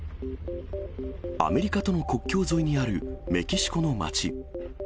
アメリカとの国境沿いにあるメキシコの街。